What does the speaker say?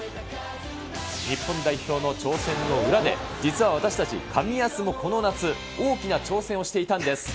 日本代表の挑戦の裏で、実は私たち、カミヤスもこの夏、大きな挑戦をしていたんです。